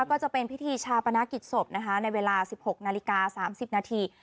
ก็จะเป็นพิธีชาปนากิจศพนะคะในเวลาสิบหกนาฬิกาสามสิบนาที